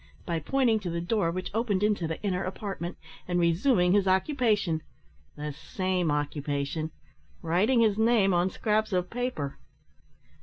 by pointing to the door which opened into the inner apartment, and resuming his occupation the same occupation writing his name on scraps of paper.